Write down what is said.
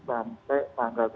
sampai tanggal tujuh belas